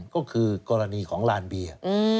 ก็คือกรณีของลานเบียร์